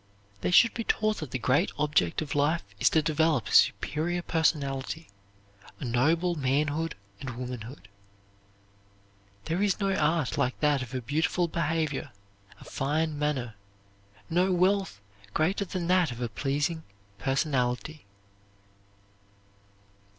They should be taught that the great object of life is to develop a superb personality, a noble manhood and womanhood. There is no art like that of a beautiful behavior, a fine manner, no wealth greater than that of a pleasing personality.